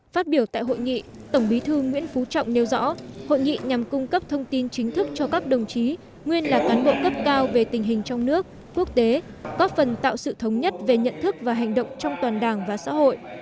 phát biểu tại hội nghị tổng bí thư nguyễn phú trọng nêu rõ hội nghị nhằm cung cấp thông tin chính thức cho các đồng chí nguyên là cán bộ cấp cao về tình hình trong nước quốc tế góp phần tạo sự thống nhất về nhận thức và hành động trong toàn đảng và xã hội